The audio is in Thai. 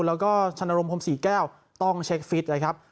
แล้วก็ชนรมพรมศรีแก้วต้องเช็คฟิตนะครับ